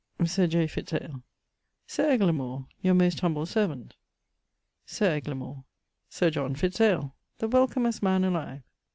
Sir J. Fitz ale. Sir Eglamour, your most humble servant. Sir Eglamour. Sir John Fitz ale, the welcomest man alive.